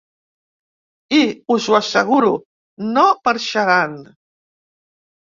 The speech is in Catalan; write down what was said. I, us ho asseguro, no marxaran.